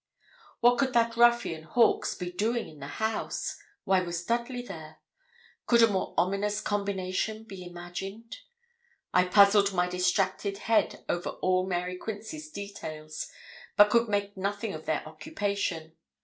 What could that ruffian, Hawkes, be doing in the house? Why was Dudley there? Could a more ominous combination be imagined? I puzzled my distracted head over all Mary Quince's details, but could make nothing of their occupation.